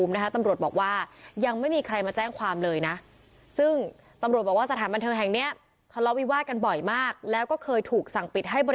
ไม่แน่ใจว่าเขาเมาสถานบันเทิงรึเปล่ากลุ่มแรกก็สามสิบ